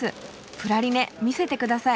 プラリネ見せてください。